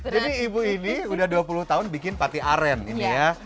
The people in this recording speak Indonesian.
jadi ibu ini sudah dua puluh tahun bikin pate aren ini ya